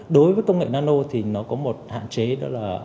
đối với công nghệ nano thì nó có một hạn chế đó là